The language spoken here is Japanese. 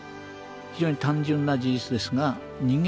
非常に単純な事実ですが人間